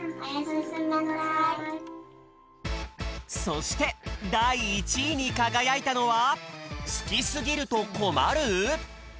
そしてだい１位にかがやいたのは「好きすぎると困る！？」。